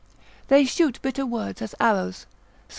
They shoot bitter words as arrows, Psal.